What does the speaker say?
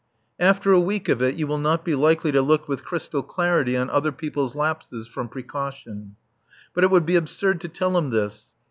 After a week of it you will not be likely to look with crystal clarity on other people's lapses from precaution. But it would be absurd to tell him this.